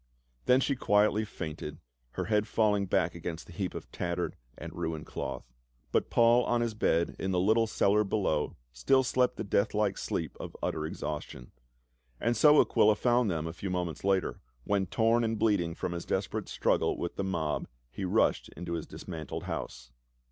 Then she quietly fainted, her head falling back against the heap of tattered and ruined cloth. But Paul on his bed in the little cellar below 374 PA UL. still slept the death like sleep of utter exhaustion. And so Aquila found them a few moments later, when torn and bleeding from his desperate struggle with the mob, he rushed into his dismantled house.